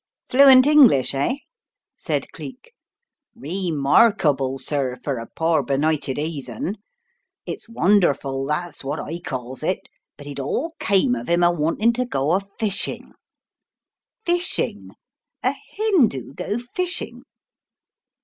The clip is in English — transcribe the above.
"Fluent English, eh?" said Cleek. "Re markable sir, for a pore benighted 'eathen. It's wonderful, that's wot I calls it, but it all came of 'ima wanting to goafishing " "Fishing — a Hindoo go fishing?"